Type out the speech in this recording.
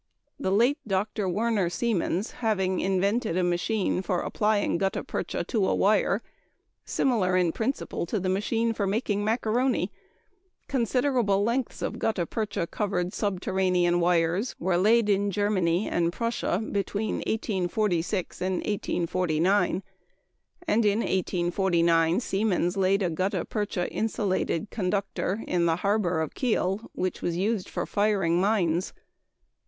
The late Dr. Werner Siemens having invented a machine for applying gutta percha to a wire similar in principle to the machine for making macaroni considerable lengths of gutta percha covered subterranean wires were laid in Germany and Prussia between 1846 and 1849; and in 1849 Siemens laid a gutta percha insulated conductor in the harbor of Kiel which was used for firing mines.